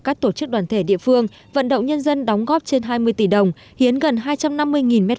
các tổ chức đoàn thể địa phương vận động nhân dân đóng góp trên hai mươi tỷ đồng hiến gần hai trăm năm mươi m hai